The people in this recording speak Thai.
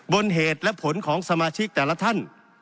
บนเหตุและผลของสมาชิกแต่ละท่าน